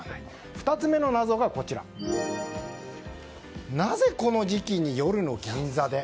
２つ目の謎がなぜこの時期に、夜の銀座で？